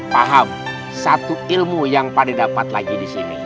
paham satu ilmu yang pak de dapat lagi disini